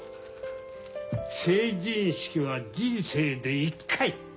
成人式は人生で一回。